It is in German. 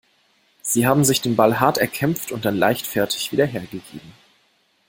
Sie haben sich den Ball hart erkämpft und dann leichtfertig wieder hergegeben.